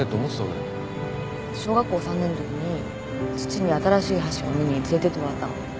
うん小学校３年ときに父に新しい橋を見に連れてってもらったの。